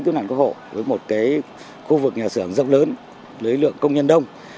cứu nạn cứu hộ với một khu vực nhà xưởng rất lớn lưới lượng công nhân đông